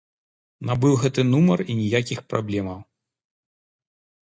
Набыў гэты нумар і ніякіх праблем.